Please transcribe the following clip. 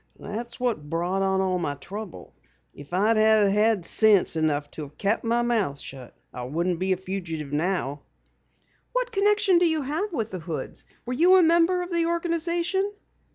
"That's what brought on all my trouble. If I'd had sense enough to have kept my mouth shut, I wouldn't be a fugitive now." "What connection did you have with the Hoods? Were you a member of the organization?"